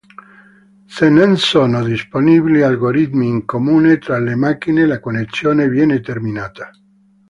Se non sono disponibili algoritmi in comune tra le macchine la connessione viene terminata.